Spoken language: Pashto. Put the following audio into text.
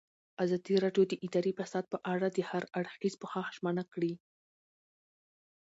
ازادي راډیو د اداري فساد په اړه د هر اړخیز پوښښ ژمنه کړې.